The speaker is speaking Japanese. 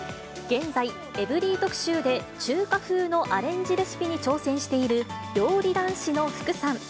現在、エブリィ特集で中華風のアレンジレシピに挑戦している料理男子の福さん。